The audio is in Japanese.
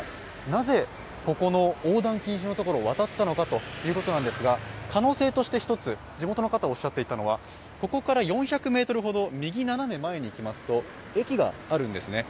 なぜここの横断禁止の所を渡ったのかということですが可能性として一つ、地元の方がおっしゃっていたのはここから４００ｍほど右斜め前に行きますと駅があるんですね。